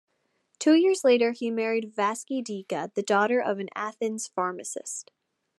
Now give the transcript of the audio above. Two years later he married Vasiliki Deka, the daughter of an Athens pharmacist.